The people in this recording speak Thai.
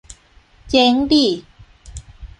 เจ๊งดิ